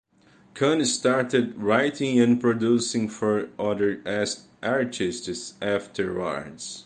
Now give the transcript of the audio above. Kuhn started writing and producing for other artists afterwards.